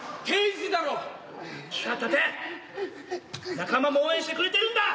仲間も応援してくれてるんだ！